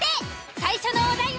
最初のお題は？